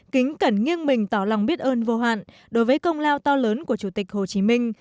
kính cẩn nghiêng mình tỏ lòng biết ơn vô hạn đối với công lao to lớn của chủ tịch hồ chí minh